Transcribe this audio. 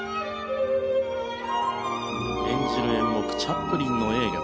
演じる演目チャップリンの映画